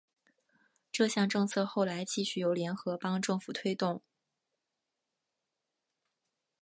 这项政策后来继续由联合邦政府推动。